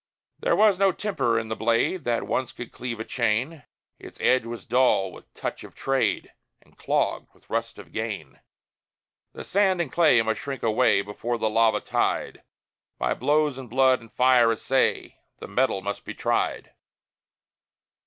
There was no temper in the blade That once could cleave a chain; Its edge was dull with touch of trade And clogged with rust of gain. The sand and clay must shrink away Before the lava tide: By blows and blood and fire assay The metal must be tried.